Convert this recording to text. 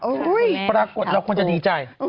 โอ้โฮแม่งถูกปรากฏเราควรจะดีใจ